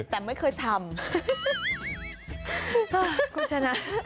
แต่ไม่เคยทำ